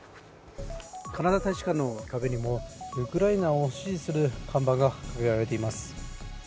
カナダ大使館の壁にもウクライナを支持する旗が掲げられています。